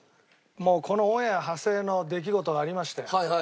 もうこのオンエア派生の出来事がありましたよ。